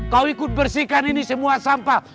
kau ikut bersihkan ini semua sampah